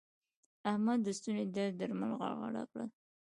احمد د ستوني درد درمل غرغړه کړل.